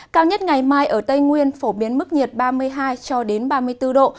cao nhất ngày mai ở tây nguyên phổ biến mức nhiệt ba mươi hai cho đến ba mươi bốn độ